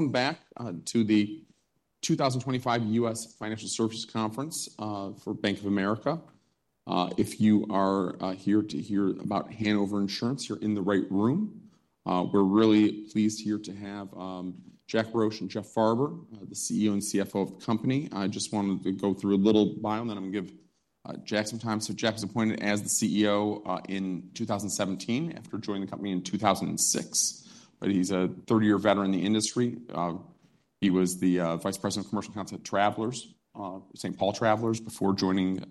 Welcome back to the 2025 U.S. Financial Services Conference for Bank of America. If you are here to hear about Hanover Insurance, you're in the right room. We're really pleased here to have John Roche and Jeff Farber, the CEO and CFO of the company. I just wanted to go through a little bio and then I'm going to give John some time. So John was appointed as the CEO in 2017 after joining the company in 2006, but he's a 30-year veteran in the industry. He was the Vice President of Commercial Counsel at Travelers, St. Paul Travelers, before joining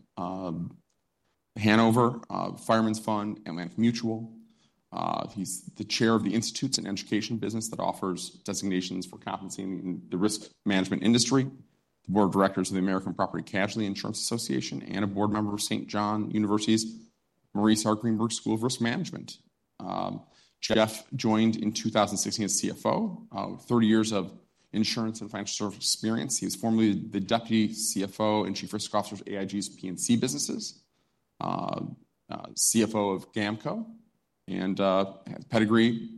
Hanover, Fireman's Fund, Atlantic Mutual. He's the Chair of The Institutes, and education business that offers designations for competency in the risk management industry, the Board of Directors of the American Property Casualty Insurance Association, and a board member of St. John's University's Maurice R. Greenberg School of Risk Management. Jeff joined in 2016 as CFO, 30 years of insurance and financial service experience. He was formerly the Deputy CFO and Chief Risk Officer of AIG's P&C businesses, CFO of GAMCO, and has a pedigree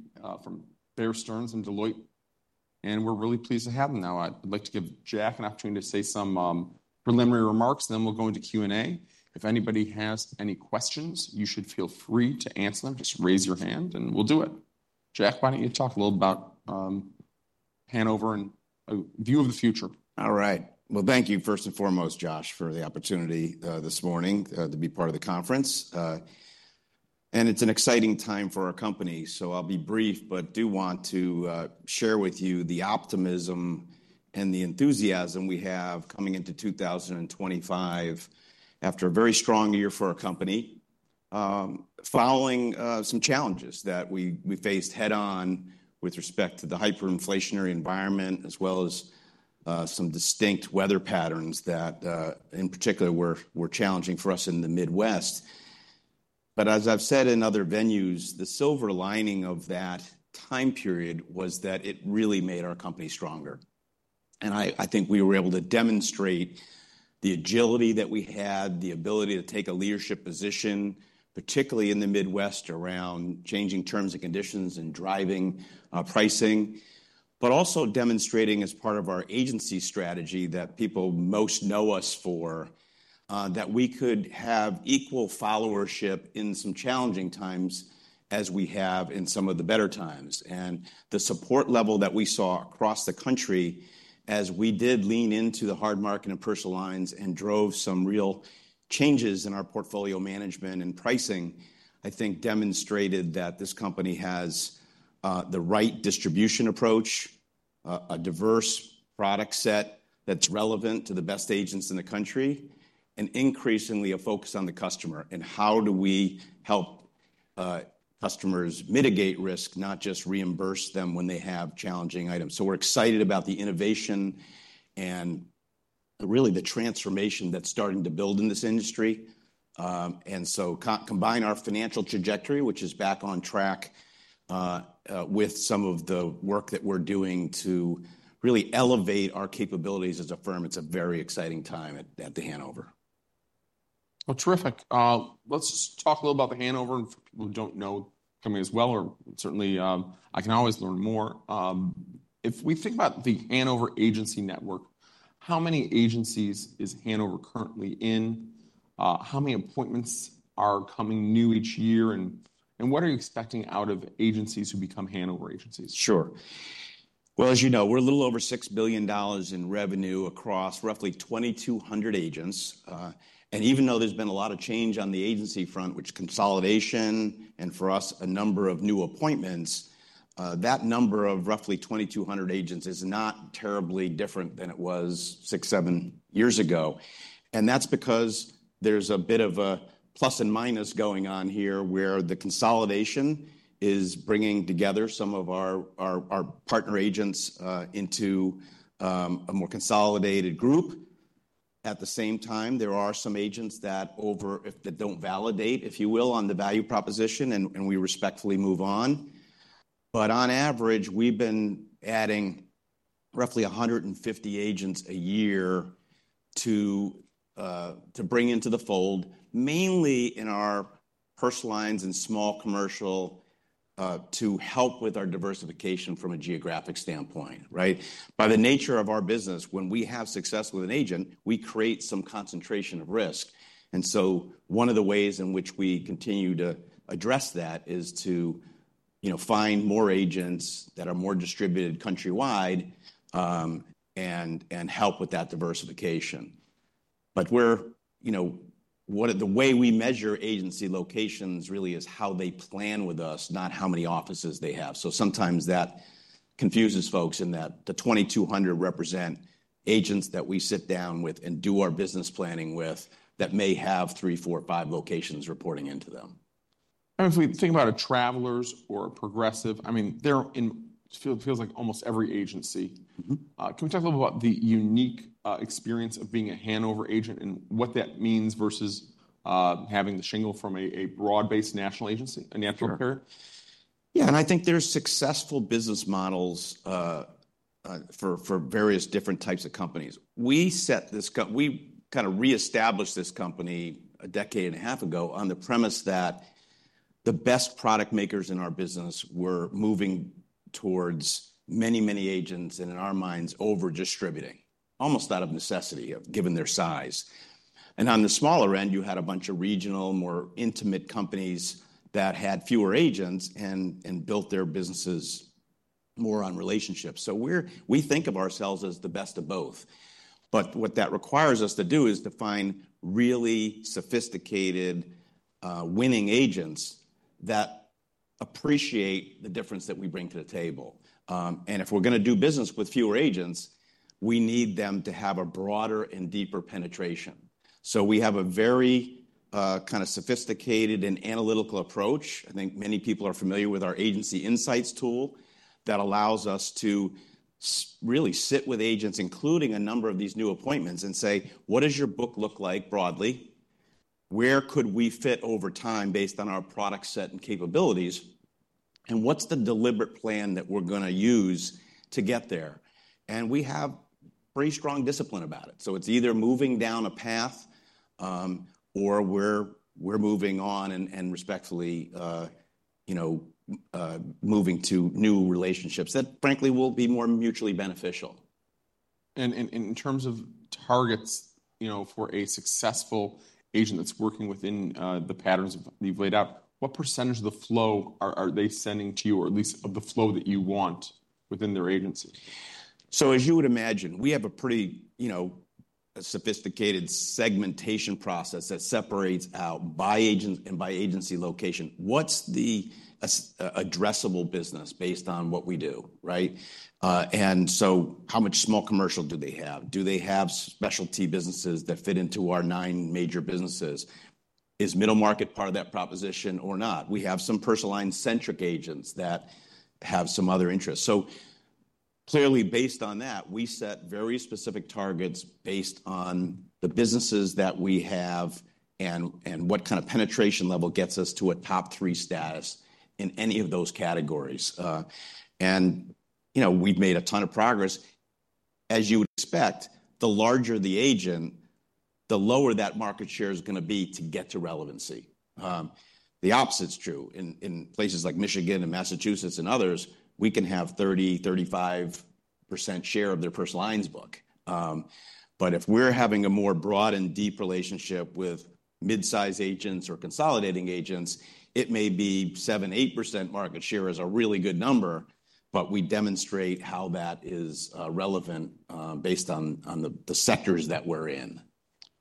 from Bear Stearns and Deloitte. And we're really pleased to have him now. I'd like to give John an opportunity to say some preliminary remarks, then we'll go into Q&A. If anybody has any questions, you should feel free to answer them. Just raise your hand and we'll do it. John, why don't you talk a little about Hanover and a view of the future? All right, well, thank you first and foremost, Josh, for the opportunity this morning to be part of the conference, and it's an exciting time for our company, so I'll be brief, but do want to share with you the optimism and the enthusiasm we have coming into 2025 after a very strong year for our company, following some challenges that we faced head-on with respect to the hyperinflationary environment, as well as some distinct weather patterns that, in particular, were challenging for us in the Midwest, but as I've said in other venues, the silver lining of that time period was that it really made our company stronger. And I think we were able to demonstrate the agility that we had, the ability to take a leadership position, particularly in the Midwest around changing terms and conditions and driving pricing, but also demonstrating as part of our agency strategy that people most know us for, that we could have equal followership in some challenging times as we have in some of the better times. And the support level that we saw across the country as we did lean into the hard market and personal lines and drove some real changes in our portfolio management and pricing, I think demonstrated that this company has the right distribution approach, a diverse product set that's relevant to the best agents in the country, and increasingly a focus on the customer and how do we help customers mitigate risk, not just reimburse them when they have challenging items. We're excited about the innovation and really the transformation that's starting to build in this industry. Combine our financial trajectory, which is back on track with some of the work that we're doing to really elevate our capabilities as a firm. It's a very exciting time at Hanover. Terrific. Let's talk a little about The Hanover and for people who don't know the company as well, or certainly I can always learn more. If we think about the Hanover Agency Network, how many agencies is Hanover currently in? How many appointments are coming new each year? And what are you expecting out of agencies who become Hanover agencies? Sure. Well, as you know, we're a little over $6 billion in revenue across roughly 2,200 agents, and even though there's been a lot of change on the agency front, which consolidation and for us, a number of new appointments, that number of roughly 2,200 agents is not terribly different than it was six, seven years ago, and that's because there's a bit of a plus and minus going on here where the consolidation is bringing together some of our partner agents into a more consolidated group. At the same time, there are some agents that don't validate, if you will, on the value proposition, and we respectfully move on, but on average, we've been adding roughly 150 agents a year to bring into the fold, mainly in our personal lines and small commercial to help with our diversification from a geographic standpoint, right? By the nature of our business, when we have success with an agent, we create some concentration of risk. And so one of the ways in which we continue to address that is to find more agents that are more distributed countrywide and help with that diversification. But the way we measure agency locations really is how they plan with us, not how many offices they have. So sometimes that confuses folks in that the 2,200 represent agents that we sit down with and do our business planning with that may have three, four, five locations reporting into them. And if we think about a Travelers or a Progressive, I mean, it feels like almost every agency. Can we talk a little about the unique experience of being a Hanover agent and what that means versus having the shingle from a broad-based national agency, a national carrier? Yeah, and I think there's successful business models for various different types of companies. We kind of reestablished this company a decade and a half ago on the premise that the best product makers in our business were moving towards many, many agents and in our minds, over-distributing almost out of necessity given their size. And on the smaller end, you had a bunch of regional, more intimate companies that had fewer agents and built their businesses more on relationships. So we think of ourselves as the best of both. But what that requires us to do is to find really sophisticated, winning agents that appreciate the difference that we bring to the table. And if we're going to do business with fewer agents, we need them to have a broader and deeper penetration. So we have a very kind of sophisticated and analytical approach. I think many people are familiar with our Agency Insight tool that allows us to really sit with agents, including a number of these new appointments, and say, "What does your book look like broadly? Where could we fit over time based on our product set and capabilities? And what's the deliberate plan that we're going to use to get there?" And we have pretty strong discipline about it. So it's either moving down a path or we're moving on and respectfully moving to new relationships that, frankly, will be more mutually beneficial. In terms of targets for a successful agent that's working within the patterns you've laid out, what percentage of the flow are they sending to you, or at least of the flow that you want within their agency? So as you would imagine, we have a pretty sophisticated segmentation process that separates out by agent and by agency location. What's the addressable business based on what we do, right? And so how much small commercial do they have? Do they have specialty businesses that fit into our nine major businesses? Is middle market part of that proposition or not? We have some personal line-centric agents that have some other interests. So clearly, based on that, we set very specific targets based on the businesses that we have and what kind of penetration level gets us to a top three status in any of those categories. And we've made a ton of progress. As you would expect, the larger the agent, the lower that market share is going to be to get to relevancy. The opposite's true. In places like Michigan and Massachusetts and others, we can have 30%-35% share of their personal lines book. But if we're having a more broad and deep relationship with midsize agents or consolidating agents, it may be 7%-8% market share is a really good number, but we demonstrate how that is relevant based on the sectors that we're in.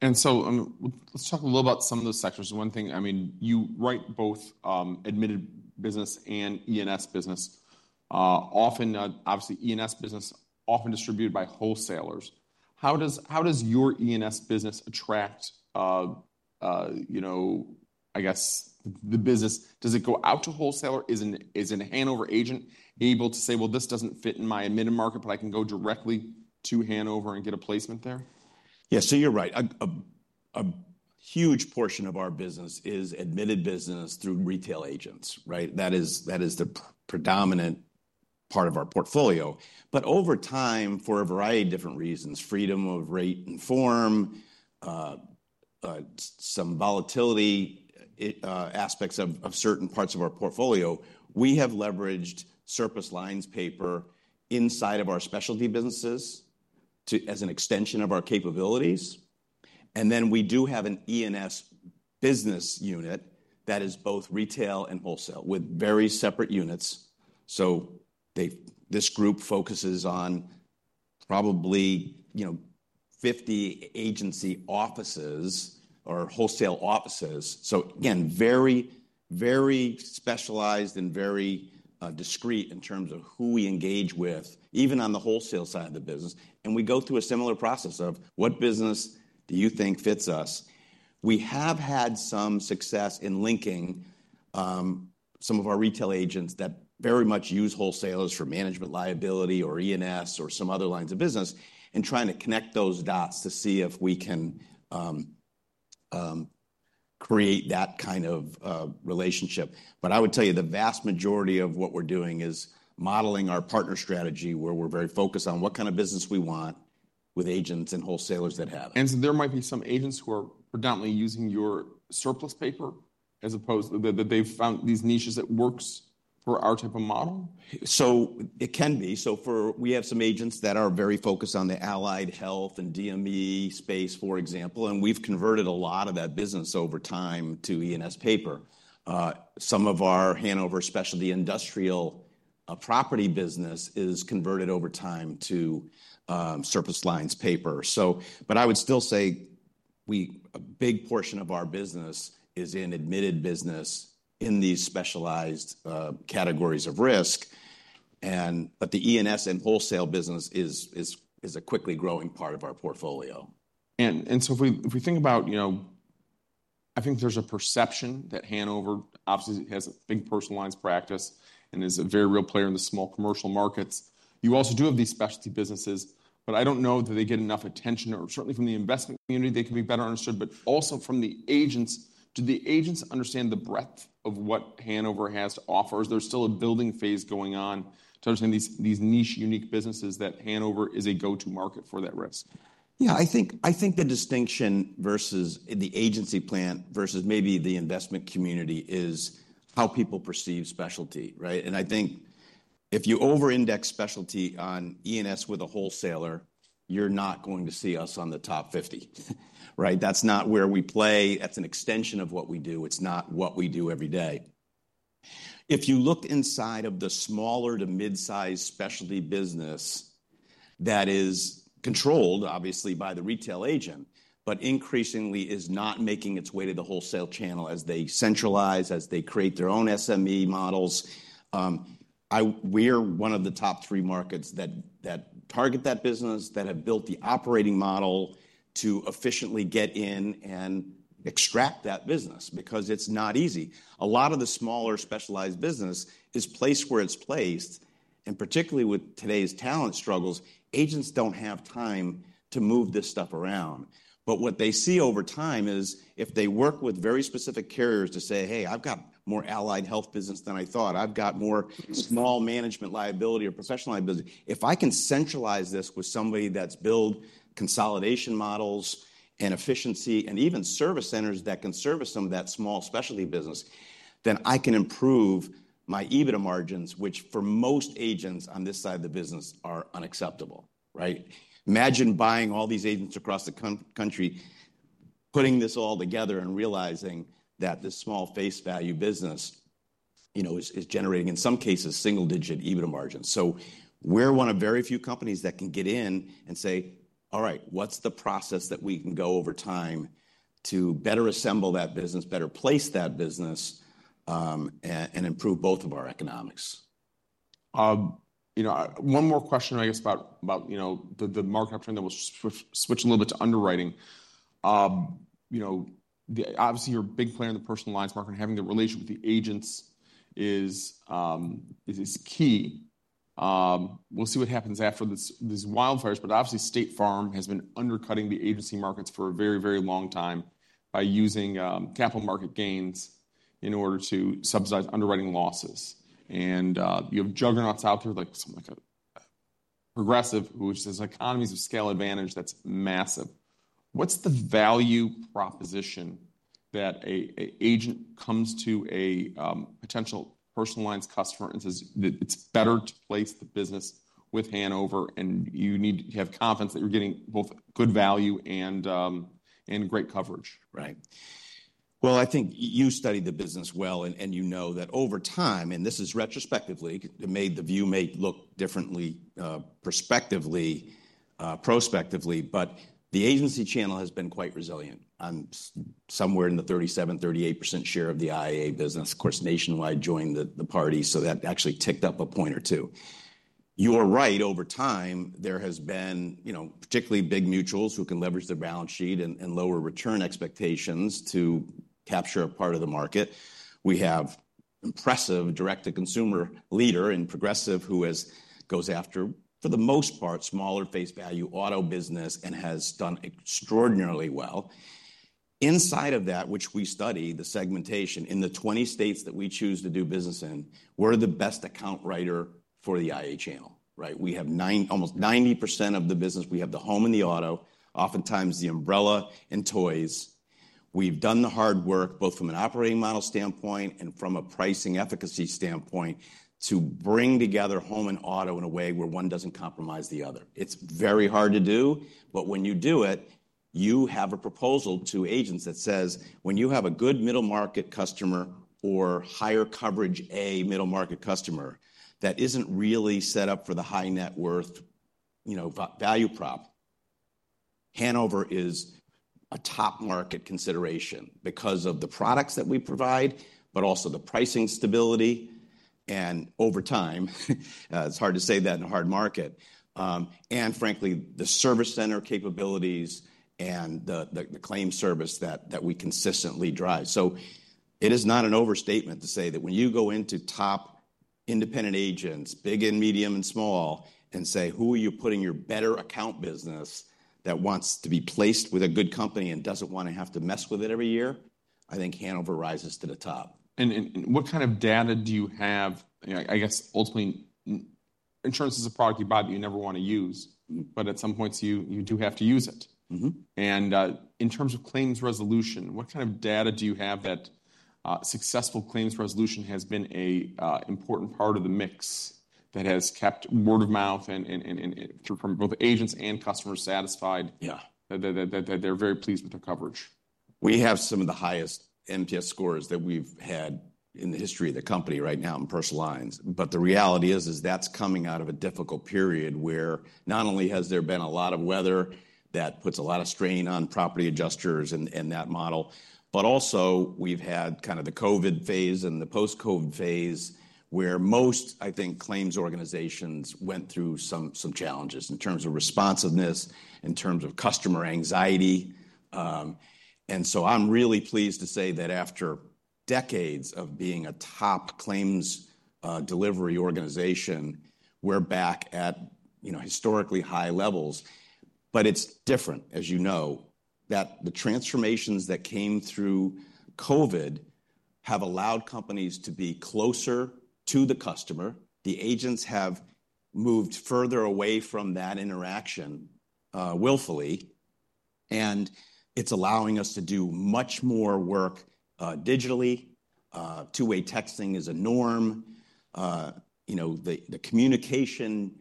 And so let's talk a little about some of those sectors. One thing, I mean, you write both admitted business and E&S business. Obviously, E&S business often distributed by wholesalers. How does your E&S business attract, I guess, the business? Does it go out to wholesaler? Is a Hanover agent able to say, "Well, this doesn't fit in my admitted market, but I can go directly to Hanover and get a placement there"? Yeah, so you're right. A huge portion of our business is admitted business through retail agents, right? That is the predominant part of our portfolio. But over time, for a variety of different reasons, freedom of rate and form, some volatility aspects of certain parts of our portfolio, we have leveraged surplus lines paper inside of our specialty businesses as an extension of our capabilities. And then we do have an E&S business unit that is both retail and wholesale with very separate units. So this group focuses on probably 50 agency offices or wholesale offices. So again, very, very specialized and very discrete in terms of who we engage with, even on the wholesale side of the business. And we go through a similar process of what business do you think fits us? We have had some success in linking some of our retail agents that very much use wholesalers for management liability or E&S or some other lines of business and trying to connect those dots to see if we can create that kind of relationship. But I would tell you the vast majority of what we're doing is modeling our partner strategy where we're very focused on what kind of business we want with agents and wholesalers that have. And so there might be some agents who are predominantly using your surplus paper as opposed to that they've found these niches that works for our type of model? So it can be. So we have some agents that are very focused on the allied health and DME space, for example, and we've converted a lot of that business over time to E&S paper. Some of our Hanover Specialty Industrial property business is converted over time to surplus lines paper. But I would still say a big portion of our business is in admitted business in these specialized categories of risk, but the E&S and wholesale business is a quickly growing part of our portfolio. And so if we think about, I think there's a perception that Hanover obviously has a big personal lines practice and is a very real player in the small commercial markets. You also do have these specialty businesses, but I don't know that they get enough attention, or certainly from the investment community, they can be better understood, but also from the agents. Do the agents understand the breadth of what Hanover has to offer? Is there still a building phase going on to understand these niche, unique businesses that Hanover is a go-to market for that risk? Yeah, I think the distinction versus the agency slant versus maybe the investment community is how people perceive specialty, right? And I think if you over-index specialty on E&S with a wholesaler, you're not going to see us on the top 50, right? That's not where we play. That's an extension of what we do. It's not what we do every day. If you look inside of the smaller to midsize specialty business that is controlled, obviously, by the retail agent, but increasingly is not making its way to the wholesale channel as they centralize, as they create their own SME models, we're one of the top three markets that target that business that have built the operating model to efficiently get in and extract that business because it's not easy. A lot of the smaller specialized business is placed where it's placed, and particularly with today's talent struggles, agents don't have time to move this stuff around. But what they see over time is if they work with very specific carriers to say, "Hey, I've got more allied health business than I thought. I've got more small management liability or professional liability. If I can centralize this with somebody that's built consolidation models and efficiency and even service centers that can service some of that small specialty business, then I can improve my EBITDA margins, which for most agents on this side of the business are unacceptable," right? Imagine buying all these agents across the country, putting this all together and realizing that this small face value business is generating, in some cases, single-digit EBITDA margins. So we're one of very few companies that can get in and say, "All right, what's the process that we can go over time to better assemble that business, better place that business, and improve both of our economics? One more question, I guess, about the market cap trend that we'll switch a little bit to underwriting. Obviously, you're a big player in the personal lines market and having the relationship with the agents is key. We'll see what happens after these wildfires, but obviously, State Farm has been undercutting the agency markets for a very, very long time by using capital market gains in order to subsidize underwriting losses, and you have juggernauts out there like Progressive, which has economies of scale advantage that's massive. What's the value proposition that an agent comes to a potential personal lines customer and says, "It's better to place the business with Hanover, and you need to have confidence that you're getting both good value and great coverage," right? I think you study the business well and you know that over time, and this is retrospectively, it made the view look differently prospectively, but the agency channel has been quite resilient on somewhere in the 37-38% share of the IA business. Of course, Nationwide joined the party, so that actually ticked up a point or two. You are right, over time, there have been particularly big mutuals who can leverage their balance sheet and lower return expectations to capture a part of the market. We have an impressive direct-to-consumer leader in Progressive who goes after, for the most part, smaller face value auto business and has done extraordinarily well. Inside of that, which we study, the segmentation in the 20 states that we choose to do business in, we're the best account writer for the IA channel, right? We have almost 90% of the business. We have the home and the auto, oftentimes the umbrella and toys. We've done the hard work both from an operating model standpoint and from a pricing efficacy standpoint to bring together home and auto in a way where one doesn't compromise the other. It's very hard to do, but when you do it, you have a proposal to agents that says, "When you have a good middle market customer or higher Coverage A middle market customer that isn't really set up for the high net worth value prop, Hanover is a top market consideration because of the products that we provide, but also the pricing stability and over time," it's hard to say that in a hard market, "and frankly, the service center capabilities and the claim service that we consistently drive." So it is not an overstatement to say that when you go into top independent agents, big and medium and small, and say, "Who are you putting your better account business that wants to be placed with a good company and doesn't want to have to mess with it every year?" I think Hanover rises to the top. What kind of data do you have? I guess, ultimately, insurance is a product you buy that you never want to use, but at some points, you do have to use it. In terms of claims resolution, what kind of data do you have that successful claims resolution has been an important part of the mix that has kept word of mouth from both agents and customers satisfied that they're very pleased with their coverage? We have some of the highest NPS scores that we've had in the history of the company right now in personal lines. But the reality is that's coming out of a difficult period where not only has there been a lot of weather that puts a lot of strain on property adjusters and that model, but also we've had kind of the COVID phase and the post-COVID phase where most, I think, claims organizations went through some challenges in terms of responsiveness, in terms of customer anxiety. And so I'm really pleased to say that after decades of being a top claims delivery organization, we're back at historically high levels. But it's different, as you know, that the transformations that came through COVID have allowed companies to be closer to the customer. The agents have moved further away from that interaction willfully, and it's allowing us to do much more work digitally. Two-way texting is a norm. The communication,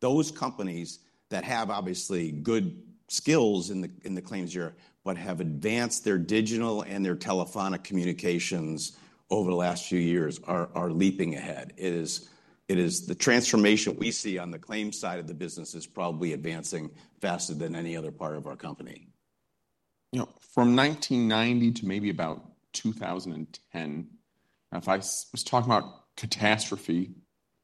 those companies that have obviously good skills in the claims area, but have advanced their digital and their telephonic communications over the last few years are leaping ahead. It is the transformation we see on the claims side of the business is probably advancing faster than any other part of our company. From 1990 to maybe about 2010, if I was talking about catastrophe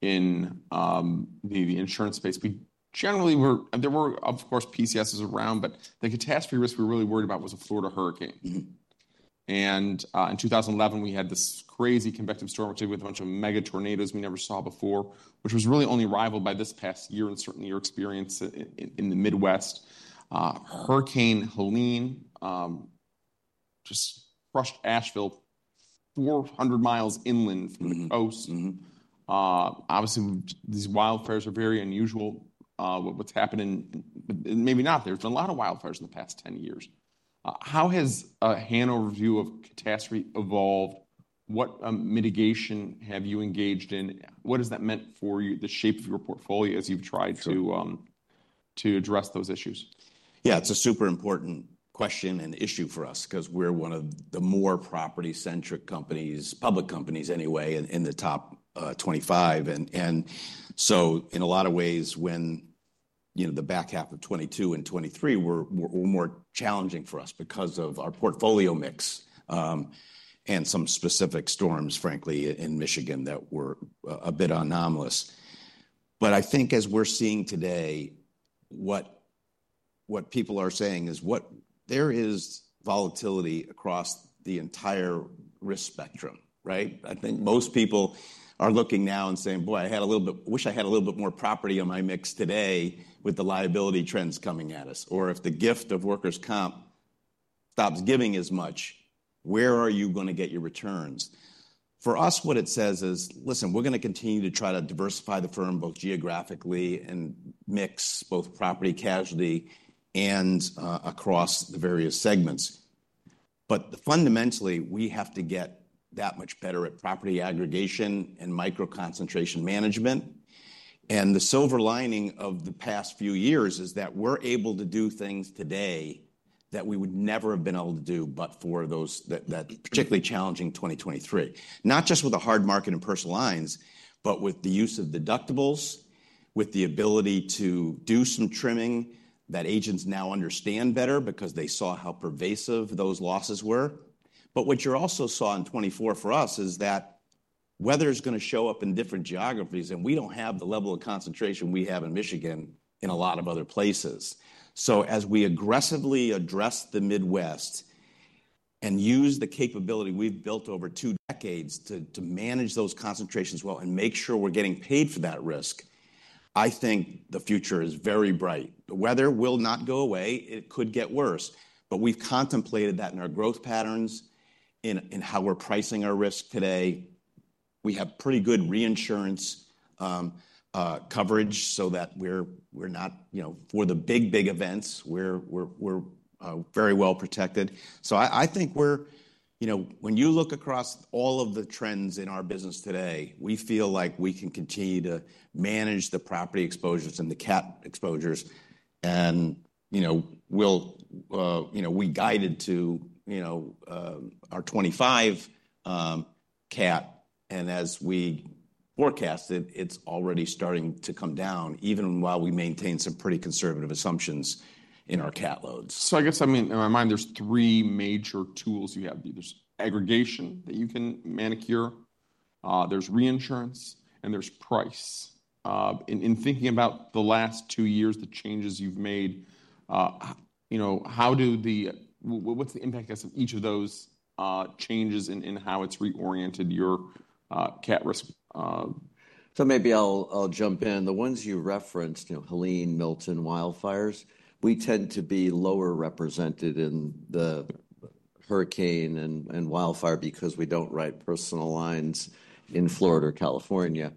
in the insurance space, we generally were. There were, of course, PCSs around, but the catastrophe risk we were really worried about was the Florida hurricane. In 2011, we had this crazy convective storm, which was a bunch of mega tornadoes we never saw before, which was really only rivaled by this past year and certainly your experience in the Midwest. Hurricane Helene just crushed Asheville 400 miles inland from the coast. Obviously, these wildfires are very unusual. What's happened in, maybe not, there's been a lot of wildfires in the past 10 years. How has Hanover's view of catastrophe evolved? What mitigation have you engaged in? What has that meant for you, the shape of your portfolio as you've tried to address those issues? Yeah, it's a super important question and issue for us because we're one of the more property-centric companies, public companies anyway, in the top 25, and so in a lot of ways, when the back half of 2022 and 2023 were more challenging for us because of our portfolio mix and some specific storms, frankly, in Michigan that were a bit anomalous, but I think as we're seeing today, what people are saying is there is volatility across the entire risk spectrum, right? I think most people are looking now and saying, "Boy, I had a little bit, wish I had a little bit more property on my mix today with the liability trends coming at us," or if the gift of workers' comp stops giving as much, where are you going to get your returns? For us, what it says is, "Listen, we're going to continue to try to diversify the firm both geographically and mix both property casualty and across the various segments." But fundamentally, we have to get that much better at property aggregation and micro-concentration management. And the silver lining of the past few years is that we're able to do things today that we would never have been able to do but for that particularly challenging 2023. Not just with a hard market in personal lines, but with the use of deductibles, with the ability to do some trimming that agents now understand better because they saw how pervasive those losses were. But what you also saw in 2024 for us is that weather is going to show up in different geographies, and we don't have the level of concentration we have in Michigan in a lot of other places. So as we aggressively address the Midwest and use the capability we've built over two decades to manage those concentrations well and make sure we're getting paid for that risk, I think the future is very bright. The weather will not go away. It could get worse. But we've contemplated that in our growth patterns, in how we're pricing our risk today. We have pretty good reinsurance coverage so that we're not, for the big, big events, we're very well protected. So I think when you look across all of the trends in our business today, we feel like we can continue to manage the property exposures and the cat exposures. And we guided to our 2025 cat. And as we forecasted, it's already starting to come down, even while we maintain some pretty conservative assumptions in our cat loads. I guess, I mean, in my mind, there's three major tools you have. There's aggregation that you can manage. There's reinsurance, and there's price. In thinking about the last two years, the changes you've made, how do they, what's the impact, I guess, of each of those changes in how it's reoriented your cat risk? So maybe I'll jump in. The ones you referenced, Helene, Milton, wildfires, we tend to be lower represented in the hurricane and wildfire because we don't write personal lines in Florida or California.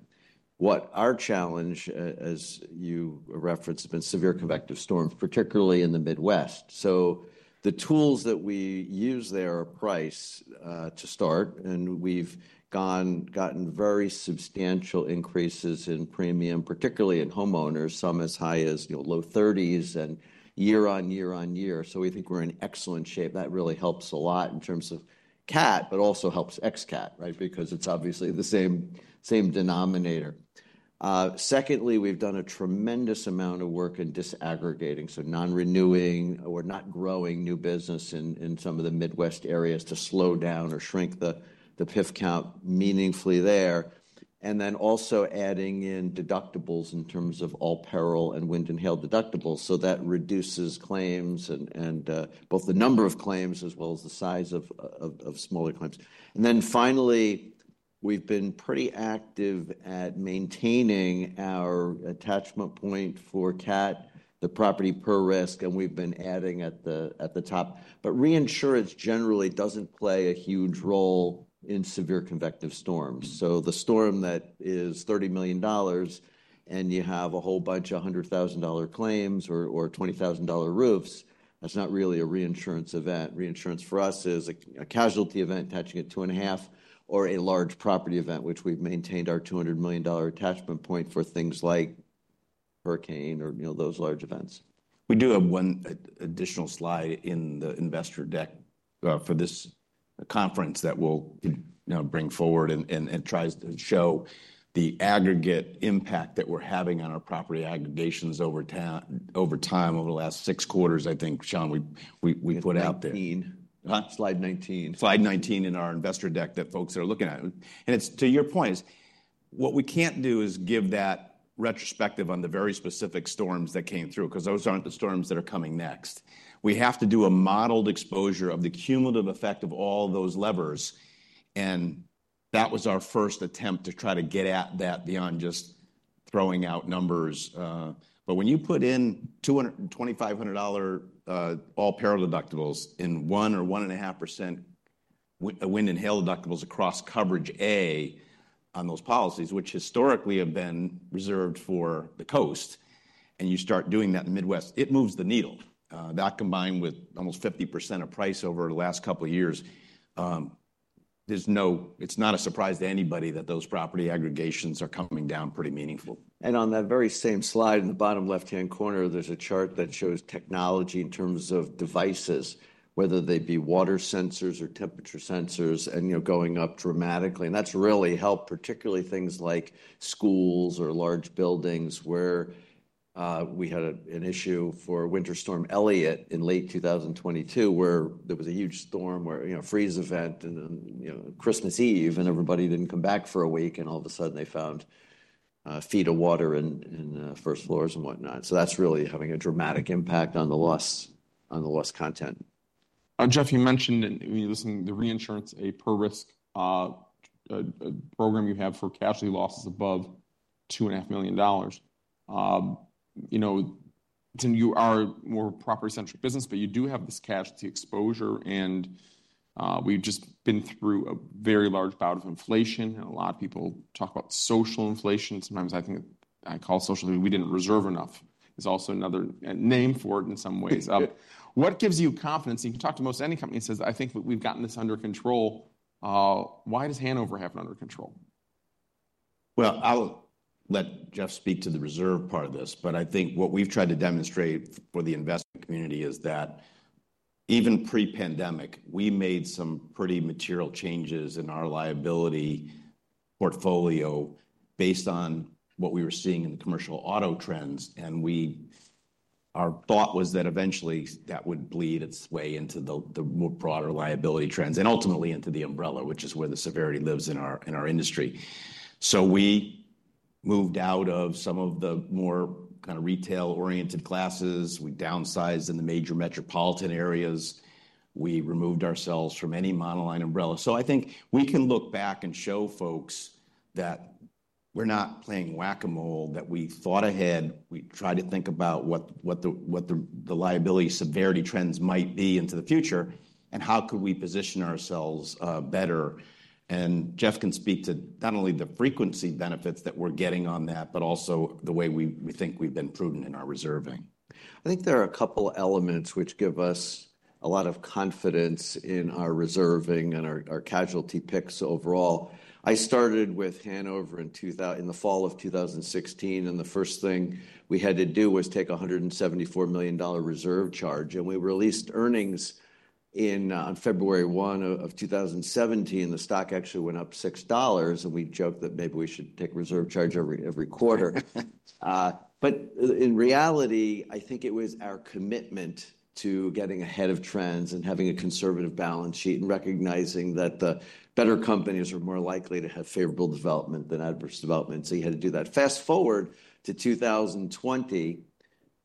What our challenge, as you referenced, has been severe convective storms, particularly in the Midwest. So the tools that we use there are price to start, and we've gotten very substantial increases in premium, particularly in homeowners, some as high as low 30s and year on year on year. So we think we're in excellent shape. That really helps a lot in terms of cat, but also helps ex-cat, right? Because it's obviously the same denominator. Secondly, we've done a tremendous amount of work in disaggregating, so non-renewing or not growing new business in some of the Midwest areas to slow down or shrink the PIF count meaningfully there. And then also adding in deductibles in terms of all peril and wind and hail deductibles. So that reduces claims and both the number of claims as well as the size of smaller claims. And then finally, we've been pretty active at maintaining our attachment point for cat, the property per risk, and we've been adding at the top. But reinsurance generally doesn't play a huge role in severe convective storms. So the storm that is $30 million and you have a whole bunch of $100,000 claims or $20,000 roofs, that's not really a reinsurance event. Reinsurance for us is a casualty event attaching at two and a half or a large property event, which we've maintained our $200 million attachment point for things like hurricane or those large events. We do have one additional slide in the investor deck for this conference that we'll bring forward and tries to show the aggregate impact that we're having on our property aggregations over time over the last six quarters, I think, Sean, we put out there. Slide 19. Slide 19 in our investor deck that folks are looking at. And to your point, what we can't do is give that retrospective on the very specific storms that came through because those aren't the storms that are coming next. We have to do a modeled exposure of the cumulative effect of all those levers. And that was our first attempt to try to get at that beyond just throwing out numbers. But when you put in $2,500 all peril deductibles in 1% or 1.5% wind and hail deductibles across Coverage A on those policies, which historically have been reserved for the coast, and you start doing that in the Midwest, it moves the needle. That combined with almost 50% of price over the last couple of years, it's not a surprise to anybody that those property aggregations are coming down pretty meaningfully. On that very same slide in the bottom left-hand corner, there's a chart that shows technology in terms of devices, whether they be water sensors or temperature sensors and going up dramatically. That's really helped, particularly things like schools or large buildings where we had an issue for Winter Storm Elliott in late 2022, where there was a huge storm, freeze event, and Christmas Eve, and everybody didn't come back for a week, and all of a sudden they found feet of water in first floors and whatnot. That's really having a dramatic impact on the loss content. Jeff, you mentioned when you're listening to the reinsurance, a per risk program you have for casualty losses above $2.5 million. You are more property-centric business, but you do have this casualty exposure, and we've just been through a very large bout of inflation, and a lot of people talk about social inflation. Sometimes I think I call it social, we didn't reserve enough is also another name for it in some ways. What gives you confidence? You can talk to most any company and says, "I think we've gotten this under control." Why does Hanover have it under control? I'll let Jeff speak to the reserve part of this, but I think what we've tried to demonstrate for the investment community is that even pre-pandemic, we made some pretty material changes in our liability portfolio based on what we were seeing in the commercial auto trends. Our thought was that eventually that would bleed its way into the more broader liability trends and ultimately into the umbrella, which is where the severity lives in our industry. We moved out of some of the more kind of retail-oriented classes. We downsized in the major metropolitan areas. We removed ourselves from any monoline umbrella. I think we can look back and show folks that we're not playing whack-a-mole, that we thought ahead. We tried to think about what the liability severity trends might be into the future and how could we position ourselves better. Jeff can speak to not only the frequency benefits that we're getting on that, but also the way we think we've been prudent in our reserving. I think there are a couple of elements which give us a lot of confidence in our reserving and our casualty picks overall. I started with Hanover in the fall of 2016, and the first thing we had to do was take a $174 million reserve charge, and we released earnings on February 1, 2017. The stock actually went up $6, and we joked that maybe we should take a reserve charge every quarter, but in reality, I think it was our commitment to getting ahead of trends and having a conservative balance sheet and recognizing that the better companies are more likely to have favorable development than adverse development, so you had to do that. Fast forward to 2020,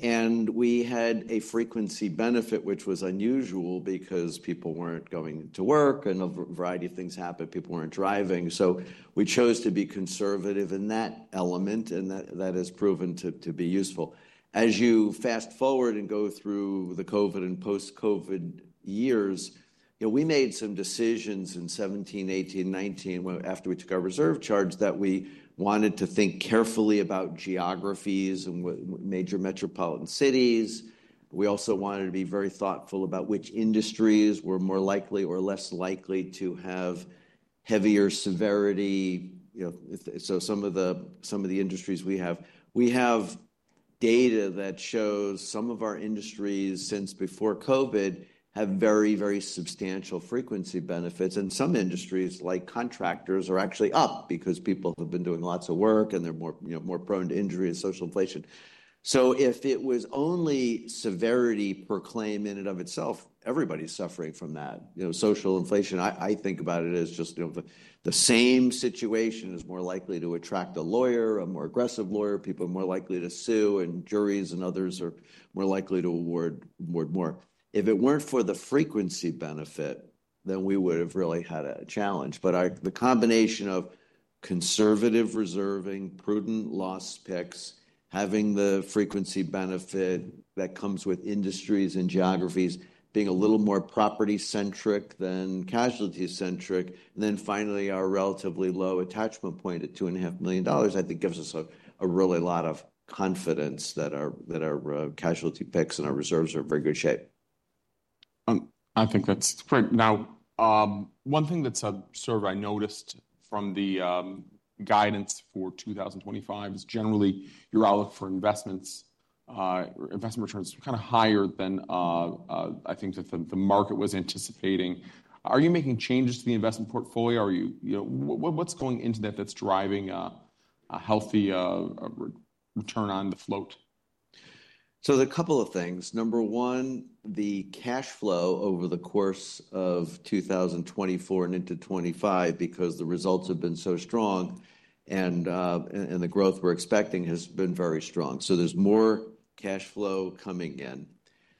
and we had a frequency benefit, which was unusual because people weren't going to work and a variety of things happened. People weren't driving. So we chose to be conservative in that element, and that has proven to be useful. As you fast forward and go through the COVID and post-COVID years, we made some decisions in 2017, 2018, 2019 after we took our reserve charge that we wanted to think carefully about geographies and major metropolitan cities. We also wanted to be very thoughtful about which industries were more likely or less likely to have heavier severity. So some of the industries we have, we have data that shows some of our industries since before COVID have very, very substantial frequency benefits. And some industries like contractors are actually up because people have been doing lots of work and they're more prone to injury and social inflation. So if it was only severity per claim in and of itself, everybody's suffering from that. Social inflation, I think about it as just the same situation is more likely to attract a lawyer, a more aggressive lawyer, people are more likely to sue, and juries and others are more likely to award more. If it weren't for the frequency benefit, then we would have really had a challenge. But the combination of conservative reserving, prudent loss picks, having the frequency benefit that comes with industries and geographies being a little more property-centric than casualty-centric, and then finally our relatively low attachment point at $2.5 million, I think gives us a really lot of confidence that our casualty picks and our reserves are in very good shape. I think that's great. Now, one thing that's sort of I noticed from the guidance for 2025 is generally your outlook for investments, investment returns kind of higher than I think that the market was anticipating. Are you making changes to the investment portfolio? What's going into that that's driving a healthy return on the float? So there's a couple of things. Number one, the cash flow over the course of 2024 and into 2025 because the results have been so strong and the growth we're expecting has been very strong. So there's more cash flow coming in.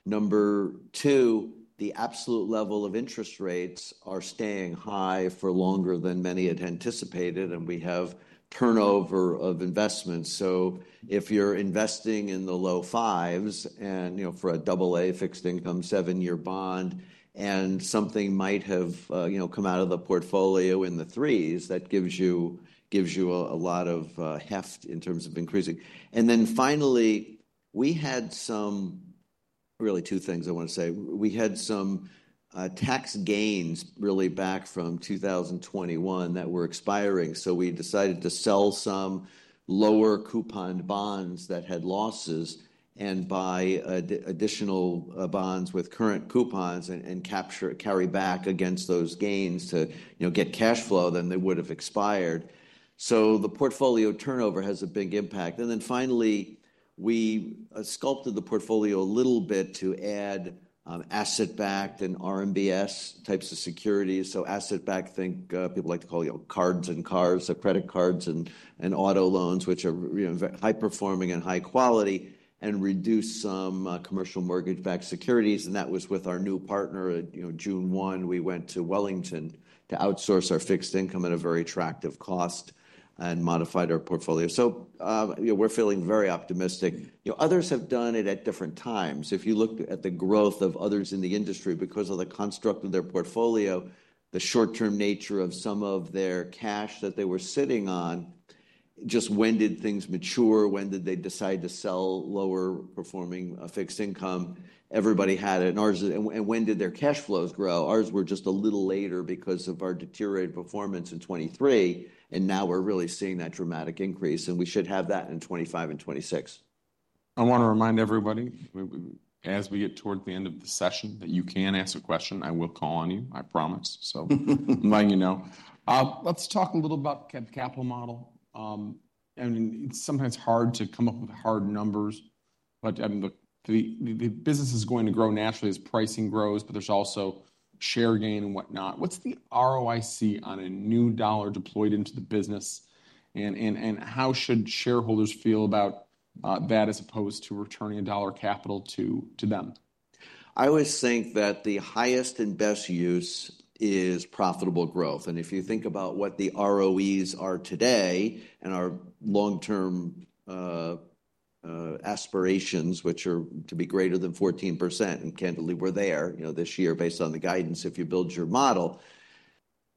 Number two, the absolute level of interest rates are staying high for longer than many had anticipated, and we have turnover of investments. So if you're investing in the low fives for a AA fixed income seven-year bond and something might have come out of the portfolio in the threes, that gives you a lot of heft in terms of increasing. And then finally, we had some, really two things I want to say. We had some tax gains really back from 2021 that were expiring. So we decided to sell some lower coupon bonds that had losses and buy additional bonds with current coupons and carry back against those gains to get cash flow than they would have expired. So the portfolio turnover has a big impact. And then finally, we sculpted the portfolio a little bit to add asset-backed and RMBS types of securities. So asset-backed, I think people like to call cards and cars, credit cards and auto loans, which are high-performing and high-quality and reduce some commercial mortgage-backed securities. And that was with our new partner. June 1, we went to Wellington to outsource our fixed income at a very attractive cost and modified our portfolio. So we're feeling very optimistic. Others have done it at different times. If you look at the growth of others in the industry because of the construct of their portfolio, the short-term nature of some of their cash that they were sitting on, just when did things mature? When did they decide to sell lower-performing fixed income? Everybody had it. And when did their cash flows grow? Ours were just a little later because of our deteriorated performance in 2023. And now we're really seeing that dramatic increase, and we should have that in 2025 and 2026. I want to remind everybody as we get toward the end of the session that you can ask a question. I will call on you, I promise. So letting you know. Let's talk a little about the capital model. I mean, sometimes it's hard to come up with hard numbers, but the business is going to grow naturally as pricing grows, but there's also share gain and whatnot. What's the ROIC on a new dollar deployed into the business? And how should shareholders feel about that as opposed to returning a dollar capital to them? I always think that the highest and best use is profitable growth. If you think about what the ROEs are today and our long-term aspirations, which are to be greater than 14%, and candidly, we're there this year based on the guidance if you build your model.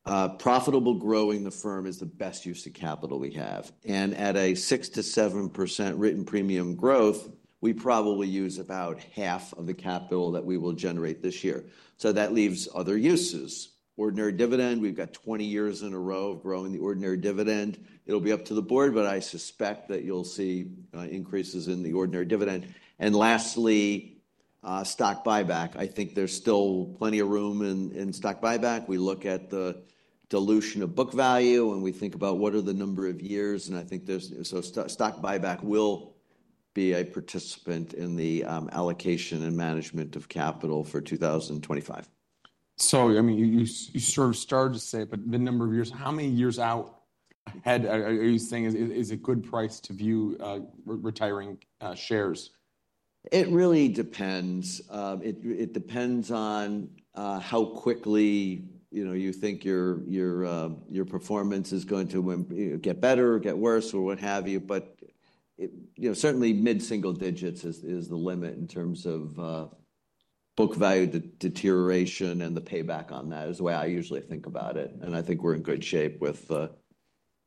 Profitable growing the firm is the best use of capital we have. At a 6%-7% written premium growth, we probably use about half of the capital that we will generate this year. That leaves other uses. Ordinary dividend, we've got 20 years in a row of growing the ordinary dividend. It'll be up to the board, but I suspect that you'll see increases in the ordinary dividend. Lastly, stock buyback. I think there's still plenty of room in stock buyback. We look at the dilution of book value and we think about what are the number of years, and I think there's some stock buyback will be a participant in the allocation and management of capital for 2025. Sorry, I mean, you sort of started to say, but the number of years, how many years out are you saying is a good price to value retiring shares? It really depends. It depends on how quickly you think your performance is going to get better or get worse or what have you. But certainly mid-single digits is the limit in terms of book value deterioration and the payback on that is the way I usually think about it. And I think we're in good shape with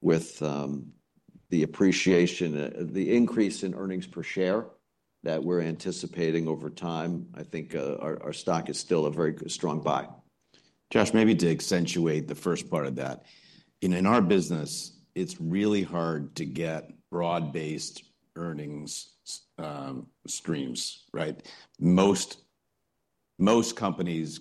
the appreciation, the increase in earnings per share that we're anticipating over time. I think our stock is still a very strong buy. Jeff, maybe to accentuate the first part of that. In our business, it's really hard to get broad-based earnings streams, right? Most companies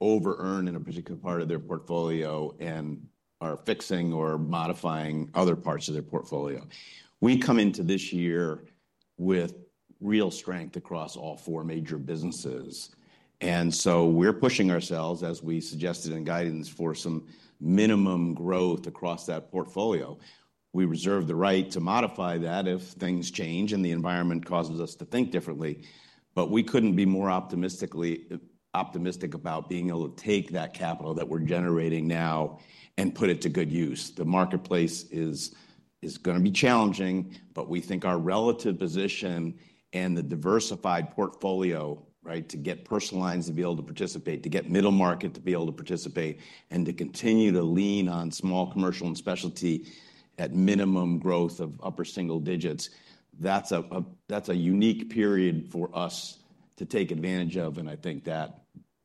over-earn in a particular part of their portfolio and are fixing or modifying other parts of their portfolio. We come into this year with real strength across all four major businesses, and so we're pushing ourselves, as we suggested in guidance, for some minimum growth across that portfolio. We reserve the right to modify that if things change and the environment causes us to think differently, but we couldn't be more optimistic about being able to take that capital that we're generating now and put it to good use. The marketplace is going to be challenging, but we think our relative position and the diversified portfolio to get personal lines to be able to participate, to get middle market to be able to participate, and to continue to lean on small commercial and specialty at minimum growth of upper single digits, that's a unique period for us to take advantage of. And I think that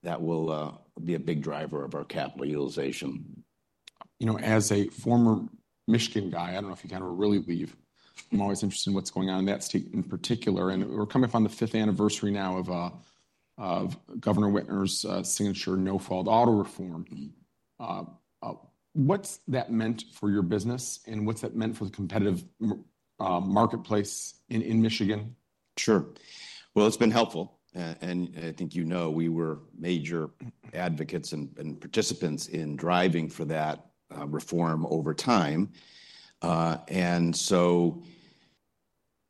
will be a big driver of our capital utilization. As a former Michigan guy, I don't know if you can ever really leave. I'm always interested in what's going on in that state in particular. We're coming up on the fifth anniversary now of Governor Whitmer's signature no-fault auto reform. What's that meant for your business and what's that meant for the competitive marketplace in Michigan? Sure. Well, it's been helpful. And I think you know we were major advocates and participants in driving for that reform over time. And so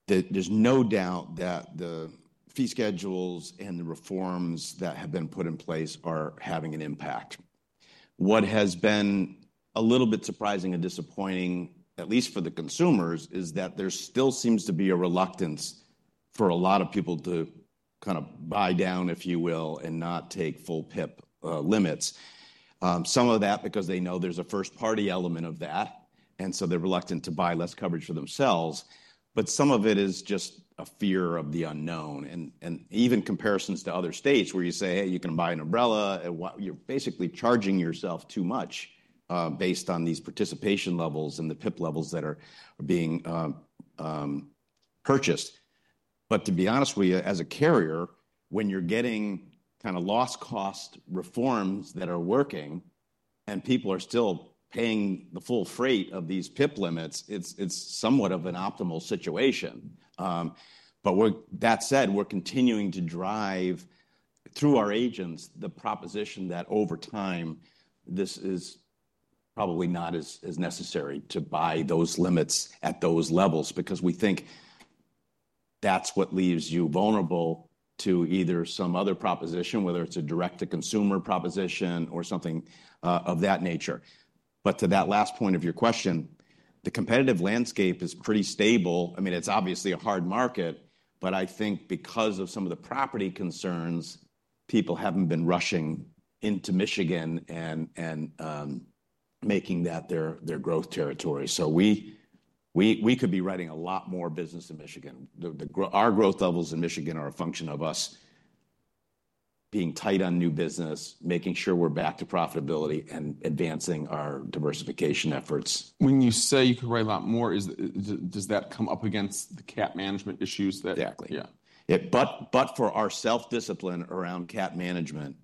there's no doubt that the fee schedules and the reforms that have been put in place are having an impact. What has been a little bit surprising and disappointing, at least for the consumers, is that there still seems to be a reluctance for a lot of people to kind of buy down, if you will, and not take full PIP limits. Some of that because they know there's a first-party element of that, and so they're reluctant to buy less coverage for themselves. But some of it is just a fear of the unknown. And even comparisons to other states where you say, "Hey, you can buy an umbrella," you're basically charging yourself too much based on these participation levels and the PIP levels that are being purchased. But to be honest with you, as a carrier, when you're getting kind of lost cost reforms that are working and people are still paying the full freight of these PIP limits, it's somewhat of an optimal situation. But that said, we're continuing to drive through our agents the proposition that over time, this is probably not as necessary to buy those limits at those levels because we think that's what leaves you vulnerable to either some other proposition, whether it's a direct-to-consumer proposition or something of that nature. But to that last point of your question, the competitive landscape is pretty stable. I mean, it's obviously a hard market, but I think because of some of the property concerns, people haven't been rushing into Michigan and making that their growth territory. So we could be running a lot more business in Michigan. Our growth levels in Michigan are a function of us being tight on new business, making sure we're back to profitability and advancing our diversification efforts. When you say you could write a lot more, does that come up against the capital management issues that? Exactly. But for our self-discipline around cap management,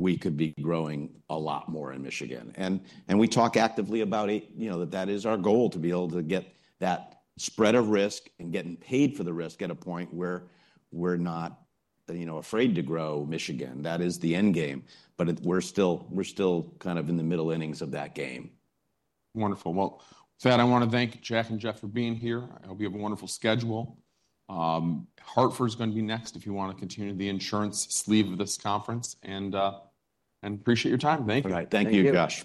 we could be growing a lot more in Michigan. And we talk actively about that. That is our goal to be able to get that spread of risk and getting paid for the risk at a point where we're not afraid to grow Michigan. That is the end game. But we're still kind of in the middle innings of that game. Wonderful. Well, with that, I want to thank John and Jeff for being here. I hope you have a wonderful schedule. Hartford is going to be next if you want to continue the insurance sleeve of this conference, and appreciate your time. Thank you. Thank you, Josh.